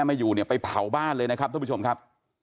ไม่อยู่เนี่ยไปเผาบ้านเลยนะครับท่านผู้ชมครับ